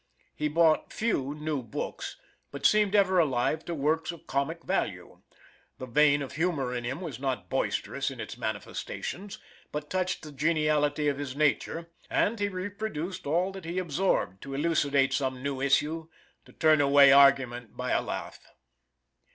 He bought few new books, but seemed ever alive to works of comic value; the vein of humor in him was not boisterous in its manifestations, but touched the geniality of his nature, and he reproduced all that he absorbed, to elucidate some new issue, or turn away argument by a laugh.